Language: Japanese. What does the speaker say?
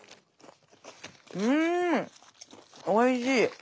うんおいしい！